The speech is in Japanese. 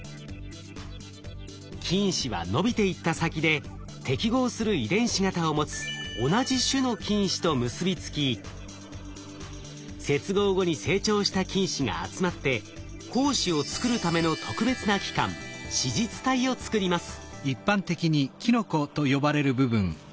菌糸は伸びていった先で適合する遺伝子型を持つ同じ種の菌糸と結びつき接合後に成長した菌糸が集まって胞子を作るための特別な器官子実体を作ります。